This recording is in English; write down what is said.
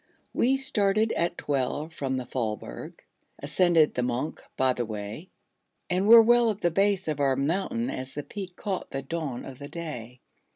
We started at twelve from the Faulberg; Ascended the Monch by the way; And were well at the base of our mountain, As the peak caught the dawn of the day.